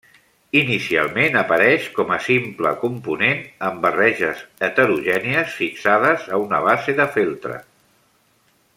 Inicialment apareix com a simple component en barreges heterogènies fixades a una base de feltre.